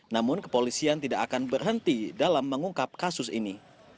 namun kepolisian tidak akan berhenti dalam mengungkap kasus ini